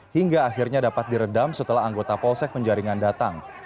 hingga akhirnya dapat diredam setelah anggota polsek penjaringan datang